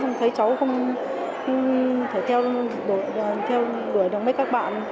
xong rồi thấy cháu không thể theo đuổi được mấy các bạn